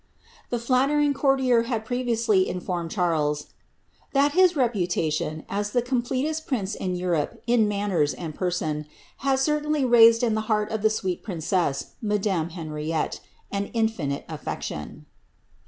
The flattering courtier had previously in lormeJ Charles ^ that his reputation, as the completest prince in Europe in tuanners and person, had certainly raised in the heart of the sweet princpss, madame Ilenriette, an infinite aflection."